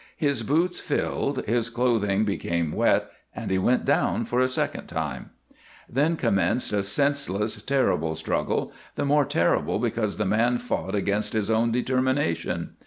His boots filled, his clothing became wet and he went down for a second time. Then commenced a senseless, terrible struggle, the more terrible because the man fought against his own determination.